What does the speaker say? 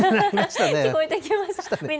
聞こえてきました。